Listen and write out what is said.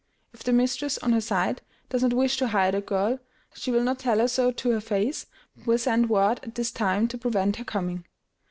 If the mistress, on her side, does not wish to hire the girl, she will not tell her so to her face, but will send word at this time to prevent her coming.